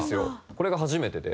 これが初めてで。